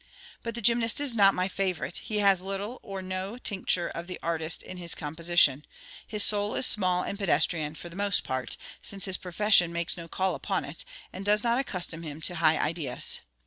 But the gymnast is not my favourite; he has little or no tincture of the artist in his composition; his soul is small and pedestrian, for the most part, since his profession makes no call upon it, and does not accustom him to high ideas.